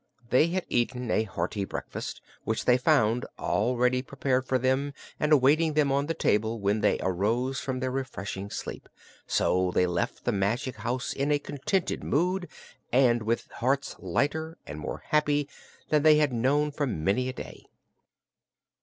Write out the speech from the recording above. They had eaten a hearty breakfast, which they found already prepared for them and awaiting them on the table when they arose from their refreshing sleep, so they left the magic house in a contented mood and with hearts lighter and more happy than they had known for many a day.